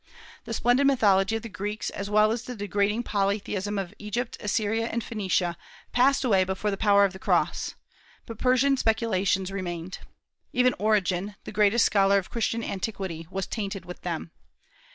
The splendid mythology of the Greeks, as well as the degrading polytheism of Egypt, Assyria, and Phoenicia, passed away before the power of the cross; but Persian speculations remained. Even Origen, the greatest scholar of Christian antiquity, was tainted with them.